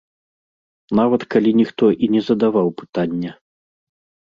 Нават калі ніхто і не задаваў пытання.